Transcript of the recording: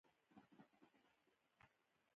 اکسیدیشن تعریف کړئ.